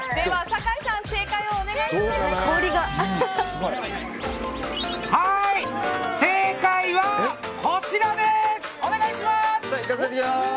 酒井さん、正解をお願いします。